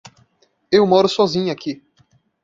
Eu moro sozinha aqui.